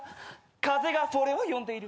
風がフォレを呼んでいる。